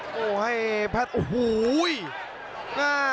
โอ้โหให้แพทย์โอ้โห